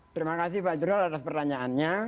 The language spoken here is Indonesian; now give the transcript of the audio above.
terima kasih pak jerol atas pertanyaannya